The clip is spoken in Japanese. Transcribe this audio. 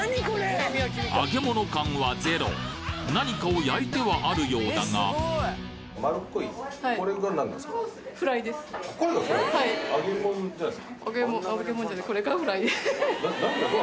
揚げ物感はゼロ何かを焼いてはあるようだがこれがフライっていう。